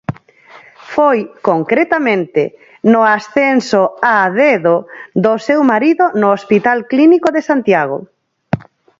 Foi, concretamente, no ascenso 'a dedo' do seu marido no Hospital Clínico de Santiago.